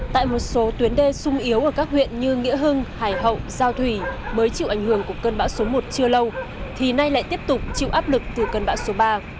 tại một số tuyến đê sung yếu ở các huyện như nghĩa hưng hải hậu giao thủy mới chịu ảnh hưởng của cơn bão số một chưa lâu thì nay lại tiếp tục chịu áp lực từ cơn bão số ba